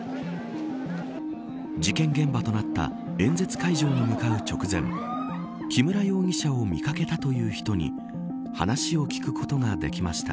事件現場となった演説会場に向かう直前木村容疑者を見掛けたという人に話を聞くことができました。